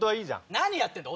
何やってんだよ？